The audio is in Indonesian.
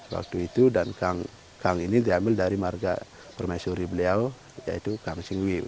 waktu itu dan kang ini diambil dari marga permaisuri beliau yaitu kang singwi